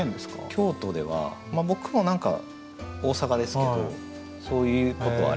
京都ではまあ僕も何か大阪ですけどそういうことありますね。